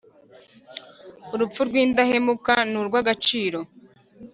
Urupfu rw indahemuka ni urw agaciro